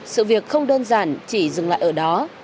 sự việc không đơn giản chỉ dừng lại ở đó